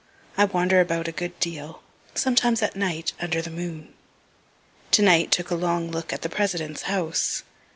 I wander about a good deal, sometimes at night under the moon. Tonight took a long look at the President's house.